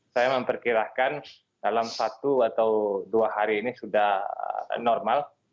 saya memperkirakan dalam satu atau dua hari ini sudah normal